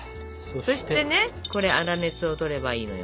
そしてねこれ粗熱をとればいいのよ。